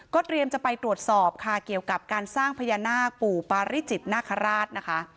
เตรียมจะไปตรวจสอบค่ะเกี่ยวกับการสร้างพญานาคปู่ปาริจิตนาคาราชนะคะ